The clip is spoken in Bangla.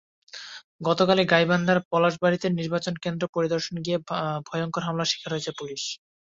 গতকালই গাইবান্ধার পলাশবাড়ীতে নির্বাচন কেন্দ্র পরিদর্শনে গিয়ে ভয়ঙ্কর হামলার শিকার হয়েছে পুলিশ।